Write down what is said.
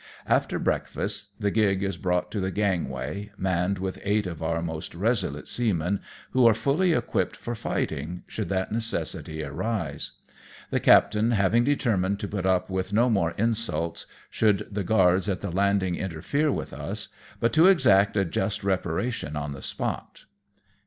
After breakfast the gig is brought to the gangway, manned with eight of our most resolute seamen, who are fully equipped for fighting, should that necessity arise ; the captain having determined to put up with no more insults, should the guards at the landing interfere with us ; but to exact a just reparation on the spot.